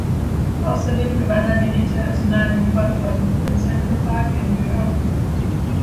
Außerdem gewann er den Internationalen Duathlon im Central Park in New York.